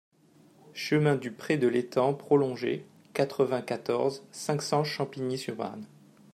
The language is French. Chemin du Pré de l'Etang Prolongé, quatre-vingt-quatorze, cinq cents Champigny-sur-Marne